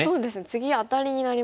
次アタリになりますもんね。